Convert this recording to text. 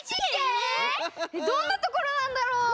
どんなところなんだろう？